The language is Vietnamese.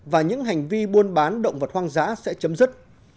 và những hành vi buôn bán động vật hoang dã sẽ chấm dứt